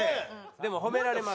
でもホメられます。